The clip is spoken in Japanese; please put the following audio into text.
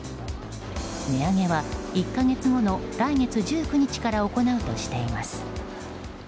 値上げは１か月後の来月１９日から行うとしています。